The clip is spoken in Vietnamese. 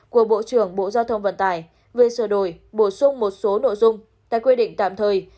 của bộ trưởng bộ giao thông vận tải về sửa đổi bổ sung một số nội dung tại quy định tạm thời